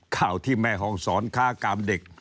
ข่าวที่แม่ห้องสอนค้ากามเด็ก